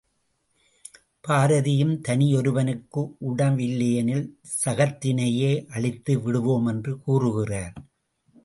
பாரதியும், தனியொருவனுக்கு உணவிலையெனில் சகத்தினையே அழித்து விடுவோம் என்று கூறுகிறார்.